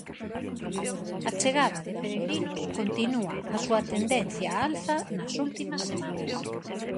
A chegada de peregrinos continúa a súa tendencia á alza nas últimas semanas.